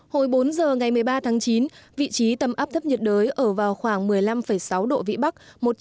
hồi bốn giờ ngày một mươi ba tháng chín vị trí tâm áp thấp nhiệt đới ở vào khoảng một mươi năm sáu độ vĩ bắc